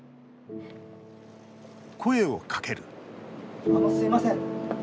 声をかけるすみません。